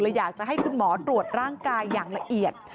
อยากจะให้คุณหมอตรวจร่างกายอย่างละเอียด